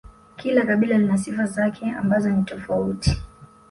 kila kabila lina sifa zake ambazo ni tofauti